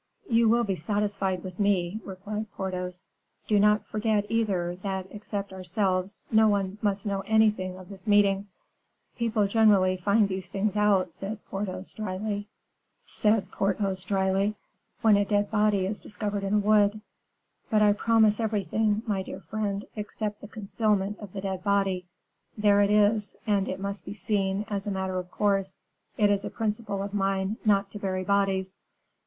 "You will be satisfied with me," replied Porthos. "Do not forget, either, that, except ourselves, no one must know anything of this meeting." "People generally find these things out," said Porthos, dryly, "when a dead body is discovered in a wood. But I promise everything, my dear friend, except the concealment of the dead body. There it is, and it must be seen, as a matter of course. It is a principle of mine, not to bury bodies.